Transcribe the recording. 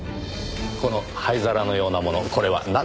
この灰皿のようなものこれはなんでしょう？